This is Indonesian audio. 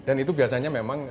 dan itu biasanya memang